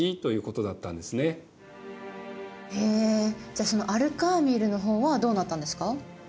じゃあそのアル・カーミルの方はどうなったんですか？